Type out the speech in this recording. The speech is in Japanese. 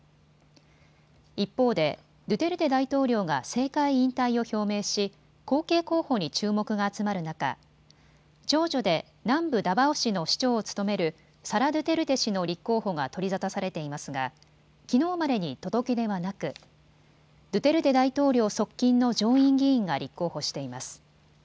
一方で、ドゥテルテ大統領が政界引退を表明し後継候補に注目が集まる中、長女で南部ダバオ市の市長を務めるサラ・ドゥテルテ氏の立候補が取り沙汰されていますがきのうまでに届け出はなくドゥテルテ大統領側近の上院議員が立候補しています。